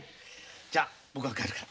じゃ僕は帰るから。